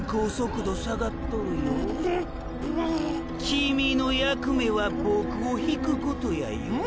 キミの役目はボクゥを引くことやよ？